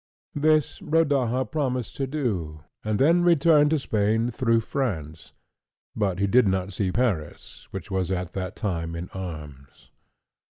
This Rodaja promised to do, and then returned to Spain through France, but he did not see Paris, which was at that time in arms.